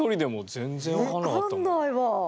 分かんないわ。